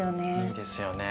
いいですよね。